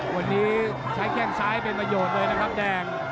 วันนี้ใช้แข้งซ้ายเป็นประโยชน์เลยนะครับแดง